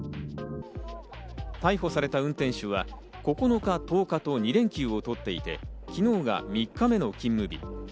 逮捕された運転手は９日・１０日と２連休を取っていって、昨日が３日目の勤務日。